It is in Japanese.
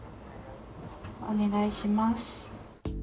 お願いします。